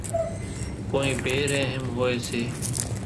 ڪونئين ڀيَ ريحم هوئيَ سي۔